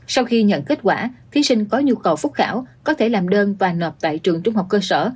sau khi nhận kết quả thí sinh có nhu cầu phúc khảo có thể làm đơn và nộp tại trường trung học cơ sở